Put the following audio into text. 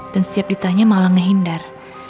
dan siap ditanya malah ngehindar